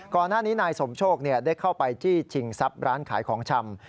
ก่อนหน้านี้นายสมโชคได้เข้าไปจี้ชิงทรัพย์ร้านขายของชำ